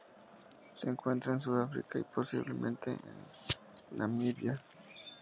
Se encuentra en Sudáfrica y, posiblemente en Namibia.